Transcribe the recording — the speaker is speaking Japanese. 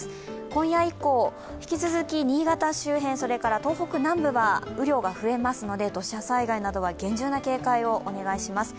今夜以降、引き続き新潟周辺、それから東北南部は、雨量が増えますので土砂災害などに厳重な警戒をお願いします。